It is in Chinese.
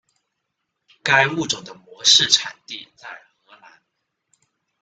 该物种的模式产地在荷兰。